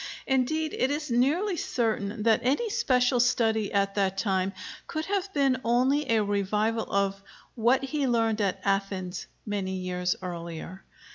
Indeed, it is nearly certain that any special study at that time could have been only a revival of "what he learned at Athens" many years earlier.